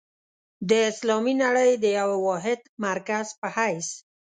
د اسلامي نړۍ د یوه واحد مرکز په حیث.